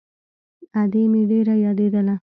ادې مې ډېره يادېدله.